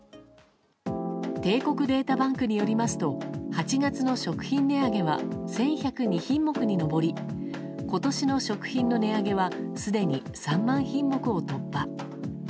帝国データバンクによりますと８月の食品値上げは１１０２品目に上り今年の食品の値上げはすでに３万品目を突破。